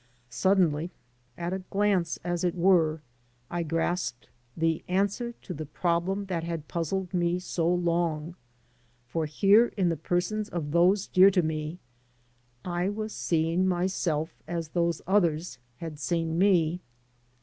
Suddenly — at one glance, as it were — ^I grasped the answer to the problem that had puzzled me so long; for here in the persons of those dear to me I was seeing myself as those others had seen me.